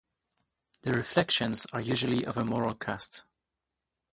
The reflections are usually of a moral cast.